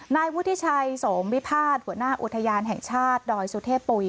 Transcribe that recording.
นายวุฒิชัยโสมวิพาทหัวหน้าอุทยานแห่งชาติดอยสุเทพปุ๋ย